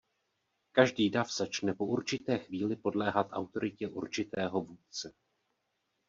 Každý dav začne po určité chvíli podléhat autoritě určitého vůdce.